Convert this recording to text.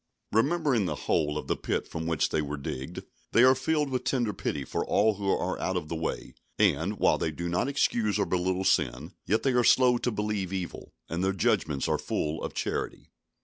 Remembering the hole of the pit from which they were digged, they are filled with tender pity for all who are out of the way; and, while they do not excuse or belittle sin, yet they are slow to believe evil, and their judgments are full of charity.